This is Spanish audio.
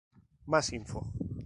Más info.